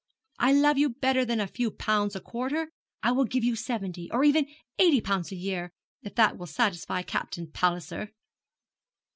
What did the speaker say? I love you better than a few pounds a quarter. I will give you seventy, or even eighty pounds a year, if that will satisfy Captain Palliser.'